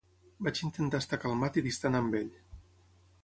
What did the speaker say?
Vaig intentar estar calmat i distant amb ell.